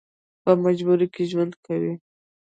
په مجبورۍ کې ژوند کوي.